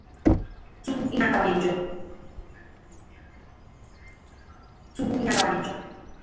tupu ihe akawanye njọ